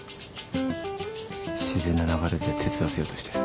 自然な流れで手伝わせようとしてる。